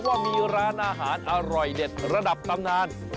ว่ามีร้านอาหารอร่อยเด็ดระดับตำนาน